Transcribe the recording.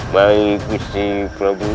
baik kusti prabu amok marugul